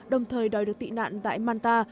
đồng thời đòi được tị nạn tại malta